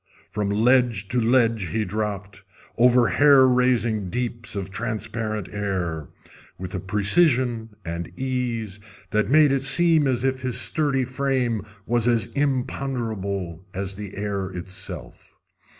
From ledge to ledge he dropped, over hair raising deeps of transparent air, with a precision and ease that made it seem as if his sturdy frame was as imponderable as the air itself.